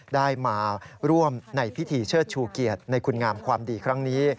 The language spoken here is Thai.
ได้มาร่วมในพิธีเชิดชูเกียรติในคุณงามความดีครั้งนี้